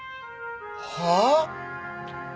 はあ！？